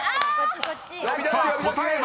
［さあ答えは？